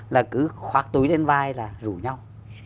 là cứ khoác túi lên vai là rủ nhau